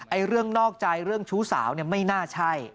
เรื่องนอกใจเรื่องชู้สาวเนี่ยไม่น่าใช่